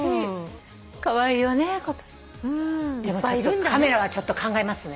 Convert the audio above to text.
でもカメラはちょっと考えますね。